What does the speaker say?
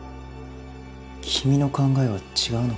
君の考えは違うのか？